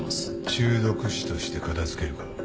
中毒死として片付けるか？